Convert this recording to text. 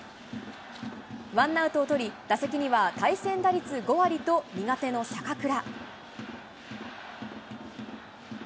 ワンアウトを取り、打席には対戦打率５割と、苦手の坂倉。